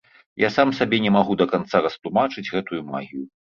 Я сам сабе не магу да канца растлумачыць гэтую магію.